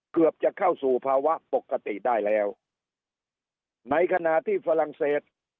เกือบจะเข้าสู่ภาวะปกติได้แล้วในขณะที่ฝรั่งเศส